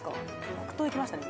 黒糖いきましたね